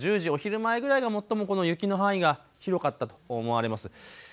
１０時、お昼前ぐらいが最もこの雪の範囲が広かったと思われます。